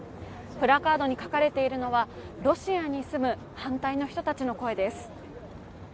プラカードに書かれているのは、ロシアに住む反対の人たちの声です。